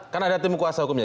kan ada tim kuasa hukumnya